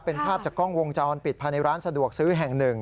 เป็นภาพจากกล้องวงจรปิดภายในร้านสะดวกซื้อแห่งหนึ่ง